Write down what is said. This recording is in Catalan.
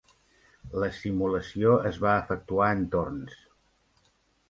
La simulació es va efectuar en torns.